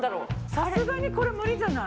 さすがにこれ無理じゃない？